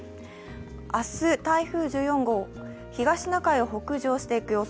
明日台風１４号、東シナ海を北上していく予想。